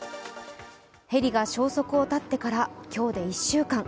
ヘリが消息を絶ってから今日で１週間。